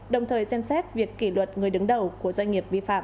đồng thời xem xét việc kỷ luật người đứng đầu của doanh nghiệp vi phạm